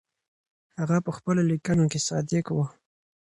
هغه په خپلو لیکنو کې صادق و.